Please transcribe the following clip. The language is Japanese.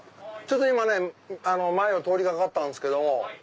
今ね前を通りかかったんすけども。